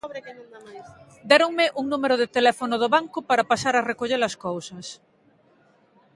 Déronme un número de teléfono do banco para pasar a recoller as cousas.